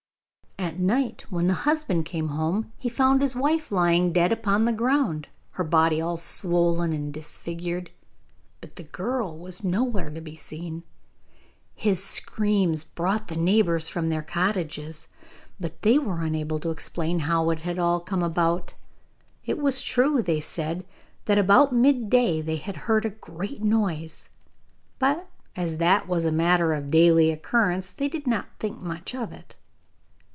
At night, when the husband came home, he found his wife lying dead upon the ground, her body all swollen and disfigured, but the girl was nowhere to be seen. His screams brought the neighbours from their cottages, but they were unable to explain how it had all come about. It was true, they said, that about mid day they had heard a great noise, but as that was a matter of daily occurrence they did not think much of it.